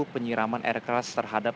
penyiraman air keras terhadap